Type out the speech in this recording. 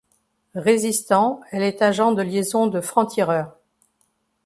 Résistant, elle est agent de liaison de Franc-Tireur.